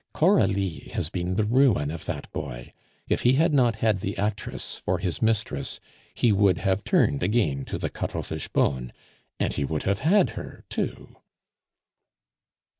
Coralie has been the ruin of that boy. If he had not had the actress for his mistress, he would have turned again to the Cuttlefish bone; and he would have had her too."